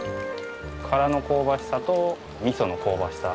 殻の香ばしさと味噌の香ばしさ。